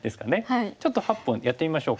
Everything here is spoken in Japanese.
ちょっと８本やってみましょうか。